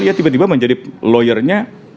iya tiba tiba menjadi lawyernya